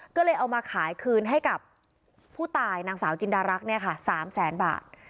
ก็เลยเอามาขายคืนให้กับผู้ตายนางสาวจินดารักษ์เนี่ยค่ะ๓แสนบาท